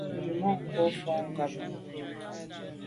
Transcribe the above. Tswemanko fo nkàb ngùyàm.